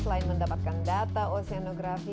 selain mendapatkan data oseanografi